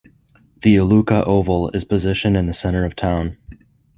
The Iluka Oval is positioned in the centre of town.